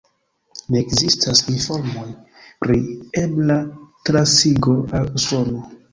Ne ekzistas informoj pri ebla transigo al Usono.